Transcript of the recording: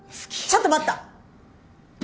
ちょっと待った！